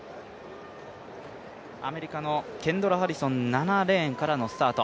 アメリカのケンドラ・ハリソン、７レーンでスタート。